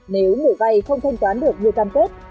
nếu người vay không thanh toán được như cam kết